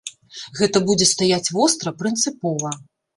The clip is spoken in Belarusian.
Гэта будзе стаяць востра, прынцыпова.